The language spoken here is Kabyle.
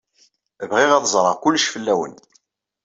Bɣiɣ ad ẓreɣ kullec fell-awen.